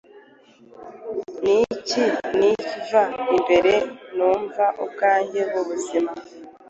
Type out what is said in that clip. Niki kiva imbere numva ubwanjye mubuzima